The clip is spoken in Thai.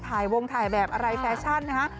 ถ่ายวงถ่ายแบบอะไรแฟชั่นนะฮะ